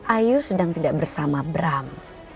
ayu sedang tidak bersama bram